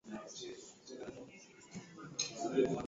inayotoa misaada nchini haiti na inatambulika